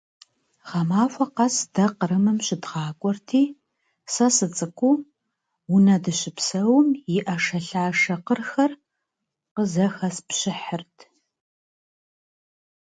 Гъэмахуэ къэс дэ Кърымым щыдгъакӏуэрти, сэ сыцӏыкӏуу, унэ дыщыпсэум и ӏэшэлъашэ къырхэр къызэхэспщыхьырт.